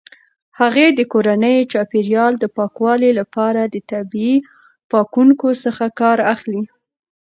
هغې د کورني چاپیریال د پاکوالي لپاره د طبیعي پاکونکو څخه کار اخلي.